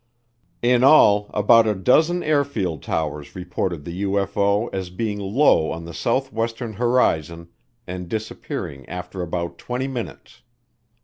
In all about a dozen airfield towers reported the UFO as being low on the southwestern horizon and disappearing after about twenty minutes.